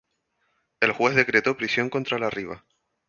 El juez decretó prisión contra La Riva.